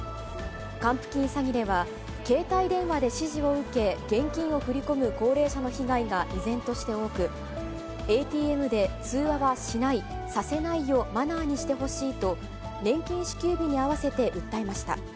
還付金詐欺では、携帯電話で指示を受け、現金を振り込む高齢者の被害が依然として多く、ＡＴＭで通話はしない、させないをマナーにしてほしいと、年金支給日に合わせて訴えました。